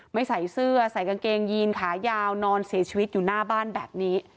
ไม่ใส่เสื้อใส่กางเกงยีนขายาวนอนเสียชีวิตอยู่หน้าบ้านแบบนี้